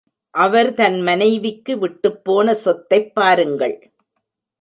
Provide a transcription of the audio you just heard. அவர் தன் மனைவிக்கு விட்டுப்போன சொத்தைப் பாருங்கள்.